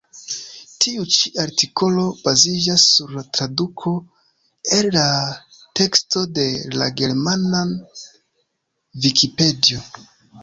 Tiu ĉi artikolo baziĝas sur traduko el la teksto de la germana vikipedio.